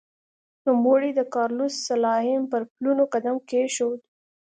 نوموړي د کارلوس سلایم پر پلونو قدم کېښود.